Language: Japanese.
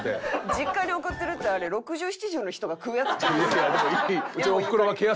実家に送ってるってあれ６０７０の人が食うやつちゃうんすよ。